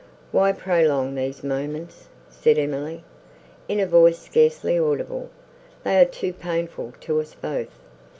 "Why prolong these moments?" said Emily, in a voice scarcely audible, "they are too painful to us both."